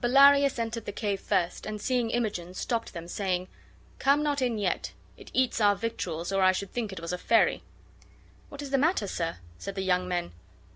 Bellarius entered the cave first, and, seeing Imogen, stopped them, saying: " Come not in yet. It eats our victuals, or I should think it was a fairy." "What is the matter, sir?" said the young men.